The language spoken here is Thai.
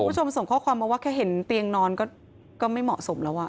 คุณผู้ชมส่งข้อความว่าเกิดเห็นเตียงนอนที่นอนก็ไม่เหมาะสมแล้ว